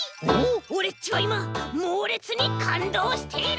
オレっちはいまもうれつにかんどうしている！